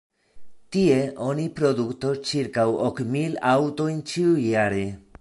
Tie oni produktos ĉirkaŭ ok mil aŭtojn ĉiujare.